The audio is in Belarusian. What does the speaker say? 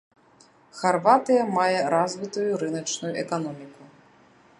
Харватыя мае развітую рыначную эканоміку.